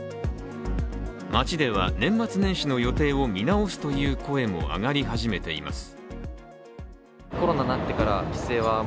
街では年末年始の予定を見直すという声も上がり始めています。